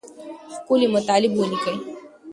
ښکلي مطالب ولیکئ.